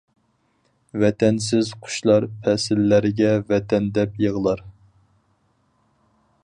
ۋەتەنسىز قۇشلار پەسىللەرگە ۋەتەن دەپ يىغلار!